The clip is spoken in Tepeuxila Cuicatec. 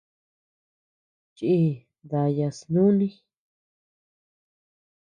Chii daya snuni.